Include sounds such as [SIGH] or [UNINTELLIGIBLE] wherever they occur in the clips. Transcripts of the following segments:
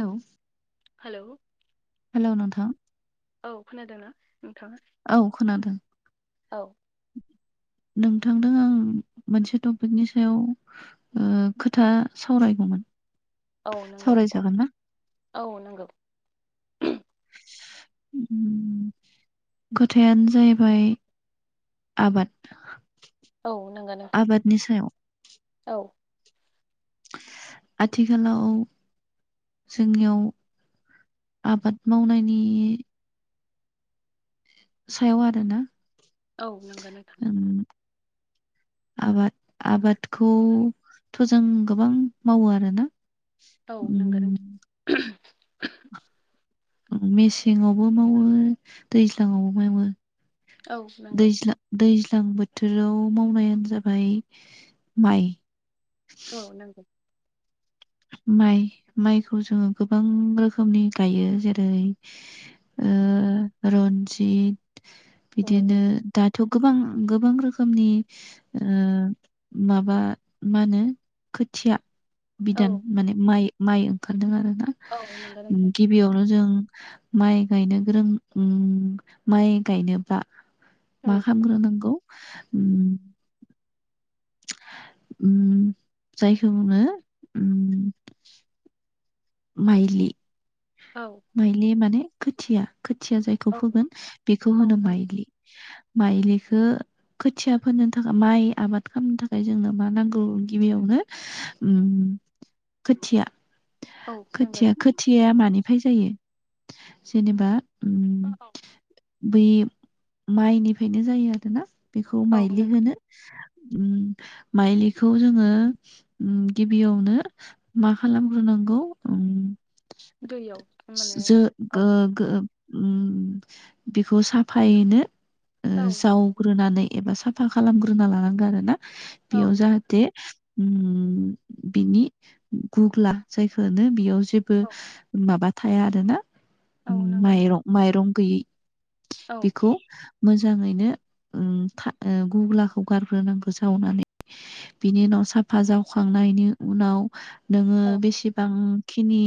नौ hello hello नोंथां। औ खोनादोंना? नोंथाङा? औ खोनादों। औ नोंथांदों आं मोनसे टपिकनि सायाव ओ खोथा सावरायगौमोन। औ नोंगो नोंथां सावरायजागोन ना? औ नोंगौ। उम खोथायानो जाहैबाय आबाद औ नोंगो नोंथां आबादनि सायाव औ। आथिखालाव जोंनियाव आबाद मावनायनि सायाव आरोना औ नोंगो नोंथां। [INAUDIBLE] आबाद आबादखौथ' जों गोबां मावो आरोना औ नोंगो नोंथां। ओम उम मेसेंआवबो मावो दैज्लाङावबो मावो। औ नंगौ दैज्ला दै दां बोथोराव मावनायानो जाबाय माइ औ नोंगो। माइ माइखौ जोङो गोबां रोखोमनि गायो जेरै ओ ओ रनजित औ बिदिनो दाथ' गोबां गोबां रोखोमनि ओ माबा मा होनो खोथिया बिदान औ माने माइ माइ ओंखारदों आरो ना औ नंगौ नोंथां गिबियावनो जों माइ गायनो गोरों उम माइ गायनोब्ला मा खामग्रोनांगौ उम उम जायखौ बुङो उम माइलि‌। औ माइलि माने खोथिया खोथिया जायखौ औ फोगोन बेखौ औ होनो नंगौ, माइलि माइलिखो खोथिया फोनो थाखा माइ आबाद खामनो थाखाय जोंनो मा नांगौ गिबियावनो उम खोथिया औ नंगौ खोथिया नोंथां खोथियाया मानिफाय जायो जेनेबा उम ओ औ। बै माइनिफायनो जायो आरोना बेखौ औ माइलि नों होनो। उम माइलिखौ जोङो उम गिबियावनो मा खालामग्रोनां नोंगौ ओं दैयाव माने जो औ गो-गो उम बेखौ साफायैनो ओ औ जावग्रोनानै एबा साफा खालामग्रोना लानांगो आरो ना औ बेयाव नंगौ जाहाथे उम बिनि गुग्ला जायखो हौनो बेयाव जेबो औ माबा थाया आरो ना औ नंगौ नोंथां, माइरं माइरं गैयै औ बेखौ मोजाङैनो उम था ओ गुग्लाखौ गारग्रोनांगो जावनानै बिनि उनाव साफा जावखांनायनि उनाव नोङो औ बेसेबां खिनि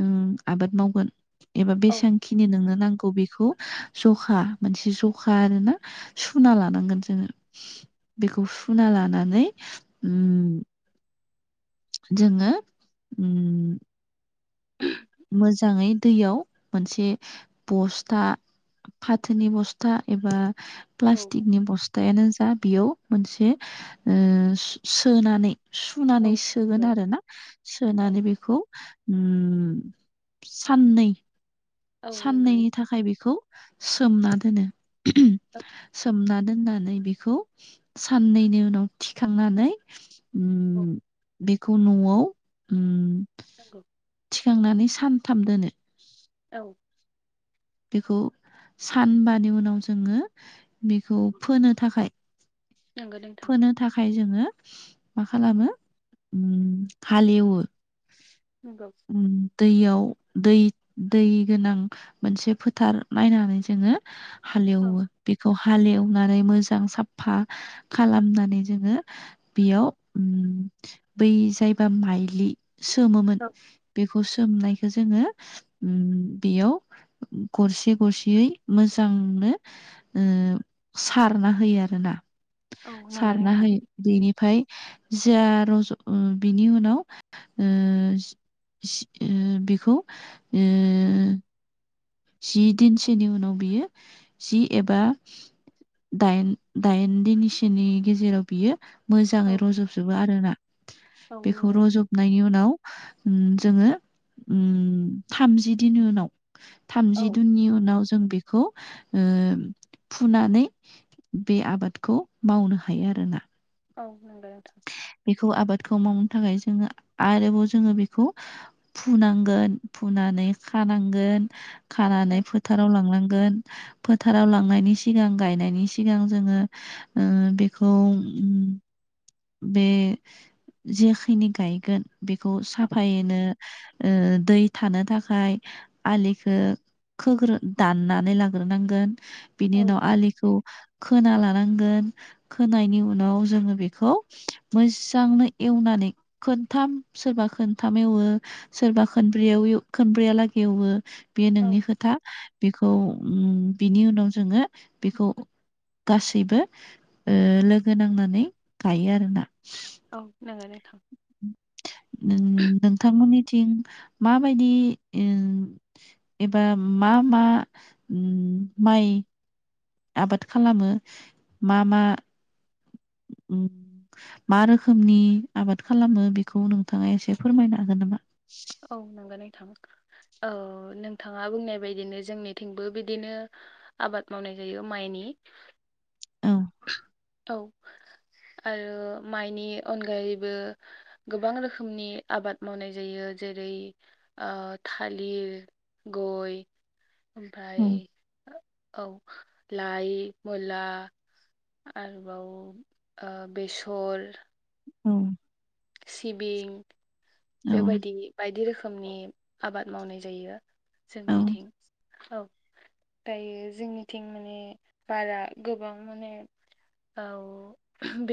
उम आबाद मावगोन एबा औ बेसांखिनि नोंनो नांगौ बेखौ जखा मोनसे जखा आरोना सुना लानांगोन जोङो। बेखौ सुना लानानै उम जोङो उम [INAUDIBLE] मोजाङै दैयाव मोनसे बस्था फाथोनि बस्था एबा प्लास्टिकनि बस्थायानो जा बेयाव मोनसे ओ सो-सोनानै औ सुनानै सोगोन नंगौ, आरो ना औ सोनानै बेखौ उम साननै औ नंगौ साननैनि थाखाय बेखौ सोमना दोनो औ सोमना दोननानै बेखौ साननैनि उनाव थिखांनानै औ उम बेखौ नआव उम नंगौ थिखांनानै सानथाम दोनो औ बेखौ सानबानि उनाव जोङो बेखौ फोनो थाखाय नंगौ नोंथां फोनो थाखाय जोङो मा खालामो उम हालेवो नोंगौ उम दैयाव दै दै गोनां मोनसे फोथार नायनानै जोङो औ हालेवो बेखौ हालेवनानै मोजां साफफा खालामनानै जोङो बेयाव उम बै जायबा माइलि सोमोमोन औ बे खौ सोमनायखो जोङो उम बेयाव गरसे गरसेयै मोजांनो ओ सारना होयो आरोना। औ नंगौ सारना नोंथां होयो बेनिफाय जा रज' बिनि उनाव ओ जि बेखौ ओ जि दिनसोनि उनाव बियो जि एबा दाइन दाइन दिनसेनि गेजेराव बियो मोजाङै औ रज'बजोबो आरोना औ बेखौ नंगौ नोंथां रज'बनायनि उनाव उम जोङो उम थामजि दिननि उनाव औ थामजि दुननि उनाव जों बेखौ ओ फुनानै बे आबादखौ मावनो हायो आरोना। औ नोंगो नोंथां। बेखौ आबादखौ मावनो थाखाय जोङो आरोबाव जोङो बेखौ फुनांगोन फुना नै खानांगोन खानानै फोथाराव लांनां गोन फोथाराव लांनायनि सिगां गायनायनि सिगां जोङो ओ बेखौ उम बे जेखिनि गायगोन बेखौ साफायैनो ओ दै थानो थाखाय आलिखौ खोग्रो दाननानै लाग्रोनांगोन। बिनि औ उनाव आलिखौ खोना लानांगोन खोनायनि उनाव जोङो बेखौ मोजांनो एवनानै खोनथाम सोरबा खोनथाम एवो सोरबा खोन ब्रैयाव खनब्रैयालागै एवो बेयो औ नोंनि खोथा बेखौ उम बिनि उनाव जोङो बेखौ गासैबो ओ लोगो नांनानै गायो आरोना औ नोंङानो थां [UNINTELLIGIBLE] नों नोंथांमोननिथिं माबायदि आ एबा मा मा उम माइ आबाद खालामो मा मा उम मा रोखोमनि आबाद खालामो बेखौ नोंथांङा एसे फोरमायनो हागोन नामा औ नंगौ नोंथां औ नोंथांङा बुंनाय बादिनो जोंनिथिंबो बिदिनो आबाद मावनाय जायो माइनि नि [INAUDIBLE] औ आरो माइनि अनगायैबो गोबां रोखोमनि आबाद मावनाय जायो जेरै आ थालिर गय ओमफ्राय औ औ लाइ मुला आरोबाव आ बेसर औ। सिबिं औ बेबायदि बायदि रोखोम रोखोमनि आबाद मावनाय जायो जोंनिथिं औ दायो जोंनिथिं माने बारा गोबां माने औ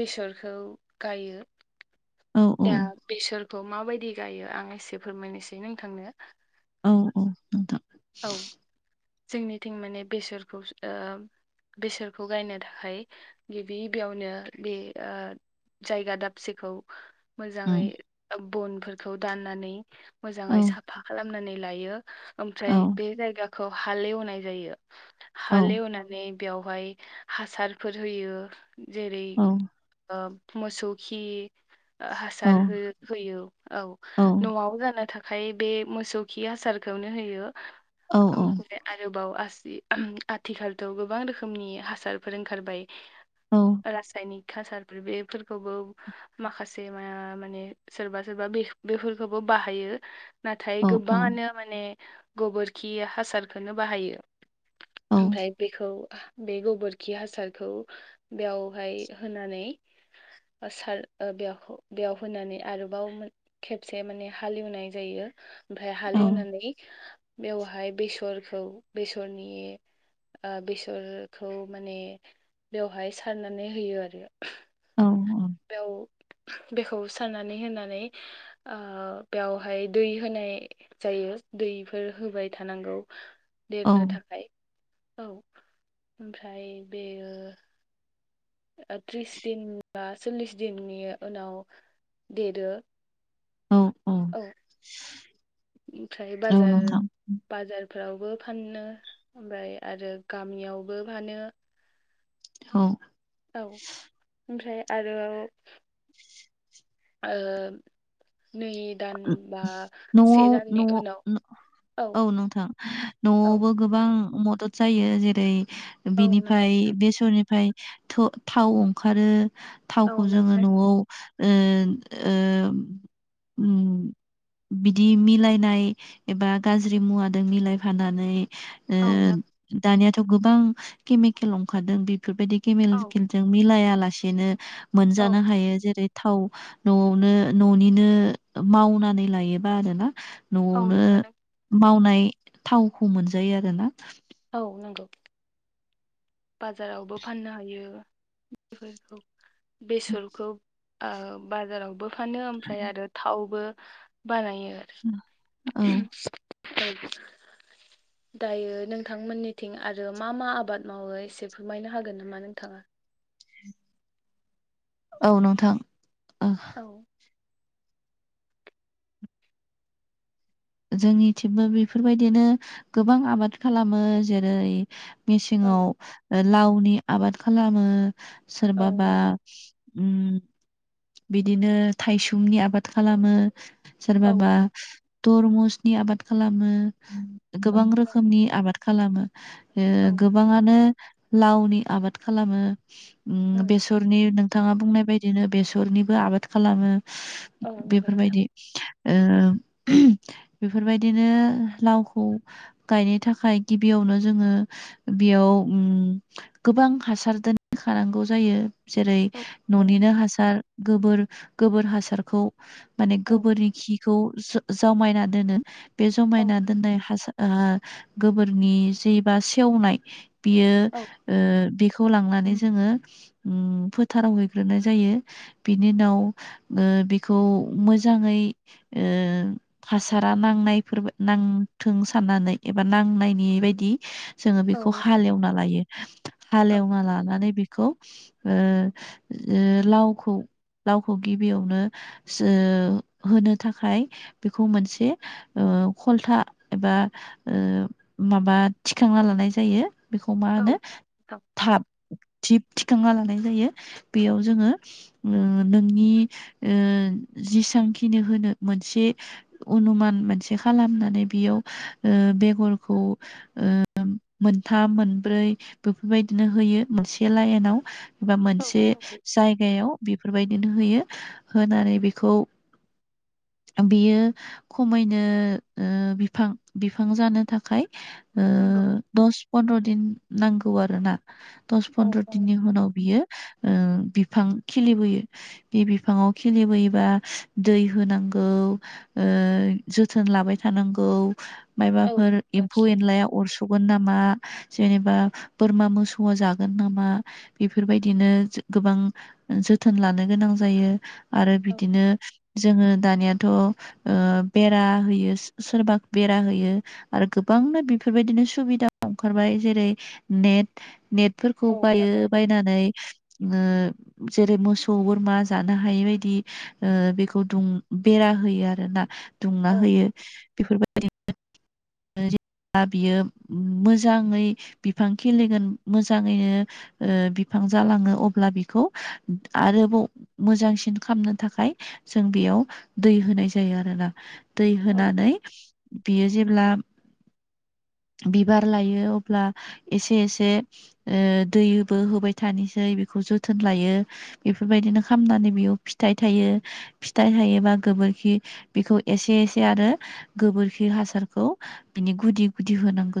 बेसरखौ गायो औ दा औ बेसरखौ माबायदि गायो आं एसे फोरमायनोसै नोंथांनो औ औ नोंथां औ जोंनिथिं माने बेसरखौ आ बेसोरखौ गायनो थाखाय गिबि गिबियावनो बे आ जायगा दाबसेखौ मोजांङै उम, बनफोरखौ दाननानै औ मोजांङै साफा खालामनानै लायो औ ओमफ्राय बे जायगाखौ हालेवनाय जायो औ हालेवनानै बेवहाय हासारफोर होयो जेरै औ आ मोसौ खि औ हासार हो होयो औ न'आव जानो था आखाय बे मोसौ खि हासारखौनो होयो ओम औ आरोबाव आसि ओम आथिखालथ' गोबां रोखोमनि हासारफोर ओंखारबाय औ रासायनिक खासारफोर बेफोरखौबो माखासे मा माने सोरबा सोरबा बे बेफोरखौबो बाहायो नाथाय गोबांङानो माने गोबोरखि हासारखौनो बाहायो औ ओमफ्राय बेखौ बे गोबोरखि हासारखौ बेयावहाय होनानै हासार आ बेयावखौ बेयाव होनानै आरोबाव मोन खेबसे माने हालेवनाय जायो ओमफ्राय हालेवनानै बेवहाय बेसरखौ बेसरनि आ बेसरखौ माने बेवहाय सारनानै होयो आरो बेयाव बेखौ सारनानै होनानै आ बेवहाय दै होनाय जायो। दैफोर होबाय थानांगौ देरनो थाखाय औ ओमफ्राय बेयो आ त्रिस दिन बा सल्लिस दिननि उनाव देरो औ औ। ओमफ्राय औ बाजार नोंथां बाजार फोरावबो फानो ओमफ्राय आरो गामियावबो फानो औ औ ओमफ्राय आरो आ नै दान औ बा से न'आव दाननि न' उनाव न- औ नोंथां औ न'आवबो गोबां मदद जायो जेरै औ नंगौ बिनिफ्राय नोंथां बेसरनिफ्राय थ थाव ओंखारो औ थावखौ जोङो नोंथां न'आव ओ ओ बिदि मिलायनाय एबा गाज्रि मुवाजों मिलायफानानै औ नों दानियाथ' गोबां केमिकेल ओंखारदों बेफोरबायदि केमेल औ खेलजों मिलायालासेनो औ मोनजानो हायो जेरै थाव न'आवनो न'निनो मावनानै लायोबा आरोना औ न'आवनो नंगौ नों मावनाय थावखौ मोनजायो आरोना औ नंगौ बाजारावबो फाननो हायो बेफोरखौ बेसरखौ ओ बाजारावबो फानो ओमफ्राय आरो थावबो बानायो औ [UNINTELLIGIBLE] दायो नों थांमोननिथिं आरो मा मा आबाद मावो एसे फोरमायनो हागोन नामा नोंथाङा औ नोंथां औ जोंनिथिंबो बेफोरबायदिनो गोबां आबाद खालामो जेरै औ मेसेंवाव लावनि आबाद खालामो औ सोरबाबा नों ओम बिदिनो थायसुमनि आबाद खालामो औ सोरबाबा तरमुसनि आबाद खालामो औ गोबां नों रोखोमनि आबाद खालामो ओ औ गोबाङानो लावनि आबाद खालामो उम बेसरनि नोंथाङा बुंनाय बायदिनो बेसरनिबो आबाद खालामो औ नंगौ नोंथां। बेफोरबायदि ओ बेफोरबायदिनो लावखौ गायनो थाखाय गिबियावनो जोङो बेयाव ओ‌ गोबां हासार दोनखानांगौ जायो जेरै औ नंगौ न'निनो नोंथां हासार गोबोर गोबोर हासारखौ माने औ गोबोरनि खिखौ जमायना दोनो बे औ जमायना दोन्नाय हासार ओ गोबोरनि जेबा सेवनाय बियो बे खौ लांनानै जोङो ओम फोथाराव हैग्रोनाय जायो बिनि उनाव ओ बेखौ मोजाङै ओ हासारा नाङो [UNINTELLIGIBLE] नांथों साननानै एबा नांनायनि बायदि जोङो औ बेखौ नोंथां। हालेवना लायो हालेवना लानानै बे खौ ओ ओ लावखौ लावखौ गिबियावनो ओ होनो थाखाय बेखौ मोनसे ओ खलथा एबा माबा थिखांना लानाय जायो बेखौ मा औ होनो थाब थिब थिखांना लानाय जायो बेयाव जोङो ओ नोंनि ओ जिसांखिनि होनो मोनसे अनुमान मोनसे खालामनानै बेयाव ओ बेगरखौ ओ मोनथाम मोन ब्रै बेफोरबायदिनो होयो मोनसे लाइनाव एबा मोनसे नंगौ जायगायाव बेफोरबायदिनो होयो होनानै बेखौ बेयो खमैनो ओ बिफां बिफां जानो थाखाय ओ नंगौ दस पन्द्र दिन नांगौ आरोना दस औ पन्द्र औ दिननि उनाव बियो ओ बिफां खिलिबोयो बे बिफाङाव खिलिबोयोबा दै होनांगौ ओ जोथोन लाबाय थानांगौ औ मायबाफोर एम्फौ नंगौ एनलाया अरसगोन नामा जेनेबा बोरमा मोसौआ जागोन नामा बेफोरबायदिनो गोबां जोथोन लानो गोनां जायो आरो बिदिनो जोङो दानियाथ' ओ बेरा होयो सोरबा बेरा होयो आरो गोबां गोबांनो बेफोरबायदिनो सुबिदा ओंखारबाय जेरै नेट नेट। फोरखौ बायो बायनानै। जेरै मोसौ बोरमा जानो हायि बायदि बेखौ दुं बेरा होयो आरोना। दुंना औ होयो बेफोरबायदि। दा बियो मोजाङै बिफां खलिगोन मोजाङैनो। बिफां जालाङो अब्ला बेखौ आरोबाव मोजांसिन खालामनो थाखाय जों बे। याव दै होनाय जायो आरोना दै औ होनानै बियो जेब्ला। ए। बिबार लायो अब्ला एसे एसे दैबो होबाय थानोसै। जोथोन लायो बेफोरबायदिनो खालामनानै बेयाव फिथाय थायो फिथाय थायोबा। एसे आरो गोबोरखि हासारखौ। गुदि गुदि होनांगौ ज।